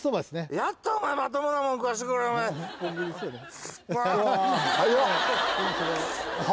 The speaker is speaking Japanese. やっとお前まともなもん食わしてくれる早